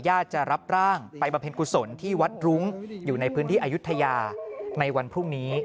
จะรับร่างไปบำเพ็ญกุศลที่วัดรุ้งอยู่ในพื้นที่อายุทยาในวันพรุ่งนี้